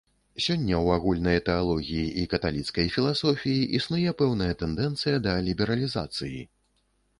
Сёння ў агульнай тэалогіі і каталіцкай філасофіі існуе пэўная тэндэнцыя да лібералізацыі.